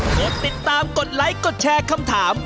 กดติดตามกดไลค์กดแชร์คำถาม